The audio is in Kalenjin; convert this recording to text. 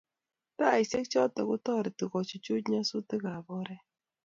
Taisiek choto kotereti kochuchuk nyasutikab oret